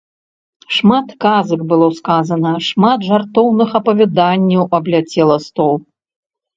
Шмат казак было сказана, шмат жартоўных апавяданняў абляцела стол.